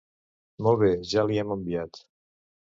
Molt bé ja li hem enviat.